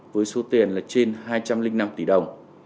với số tiền là trên hai trăm linh năm tỷ đồng